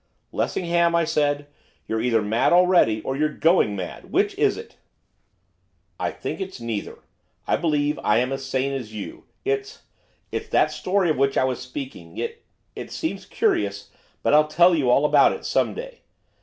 'Lessingham,' I said, 'you're either mad already, or you're going mad, which is it?' 'I think it's neither. I believe I am as sane as you. It's it's that story of which I was speaking; it it seems curious, but I'll tell you all about it some day.